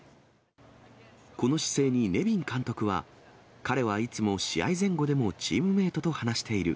この姿勢にネビン監督は、彼はいつも試合前後でもチームメートと話している。